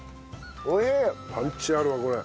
パンチあるわこれ。